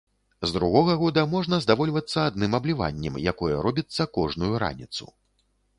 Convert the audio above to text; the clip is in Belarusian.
З другога года можна здавольвацца адным абліваннем, якое робіцца кожную раніцу.